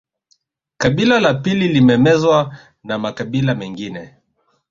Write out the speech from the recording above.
Kabila la pili limemezwa na makabila mengine